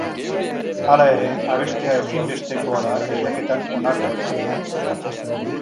Hala ere, abestea ezinbestekoa da lehiaketan onartua izateko.